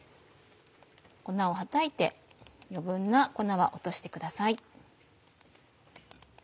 粉をはたいて余分な粉は落としてください。